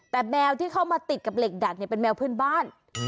แต่แมวที่เข้ามาติดกับเหล็กดัดเนี่ยเป็นแมวเพื่อนบ้าน